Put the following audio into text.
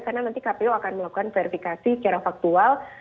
karena nanti kpu akan melakukan verifikasi secara faktual